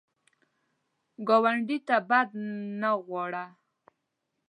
ګاونډي ته بد نه غواړه